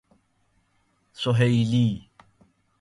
سﮩیلی